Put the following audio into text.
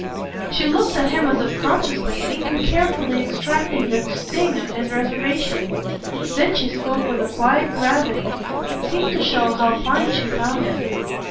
She looked at him as if consciously and even carefully extracting the sting of his reservation; then she spoke with a quiet gravity that seemed to show how fine she found it.